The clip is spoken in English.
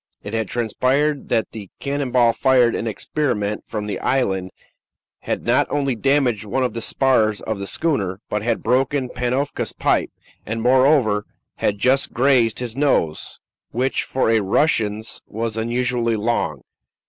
It had transpired that the cannon ball fired in experiment from the island had not only damaged one of the spars of the schooner, but had broken Panofka's pipe, and, moreover, had just grazed his nose, which, for a Russian's, was unusually long.